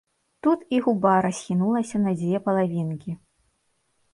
Тут і губа расхінулася на дзве палавінкі.